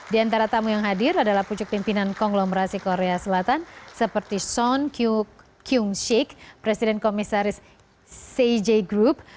di antara tamu yang hadir adalah pucuk pimpinan konglomerasi korea selatan seperti son kyung sik presiden komisaris cj group